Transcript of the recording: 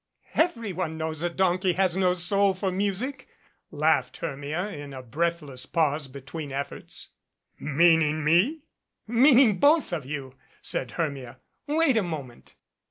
135 MADCAP ^^^ "Everyone knows a donkey has no soul for music," laughed Hermia, in a breathless pause between efforts. "Meaning me?" "Meaning both of you," said Hermia. "Wait a mo ment."